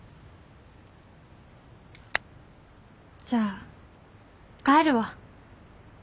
じゃあ帰るわ